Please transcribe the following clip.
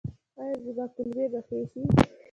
ایا زما کولمې به ښې شي؟